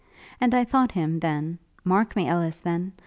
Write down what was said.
And I thought him, then, mark me, Ellis, then!